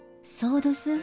そうどす。